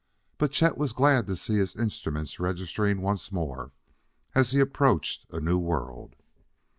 But Chet was glad to see his instruments registering once more as he approached a new world.